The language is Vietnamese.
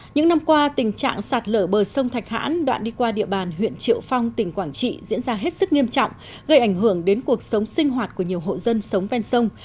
những năm qua tình trạng sạt lở bờ sông thạch hãn đoạn đi qua địa bàn huyện triệu phong tỉnh quảng trị diễn ra hết sức nghiêm trọng gây ảnh hưởng đến cuộc sống sinh hoạt của nhiều hộ dân sống ven sông